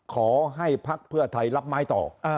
ขอให้พรรคเพื่อไทยรับไม้ต่อ